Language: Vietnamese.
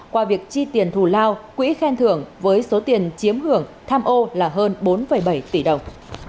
qua việc chi tiền thù lao quỹ khen thưởng với số tiền chiếm hưởng tham ô là hơn bốn bảy tỷ đồng